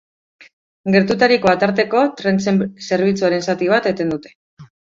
Gertaturikoa tarteko, tren zerbitzuaren zati bat eten dute.